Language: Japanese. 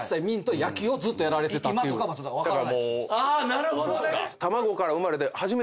なるほどね。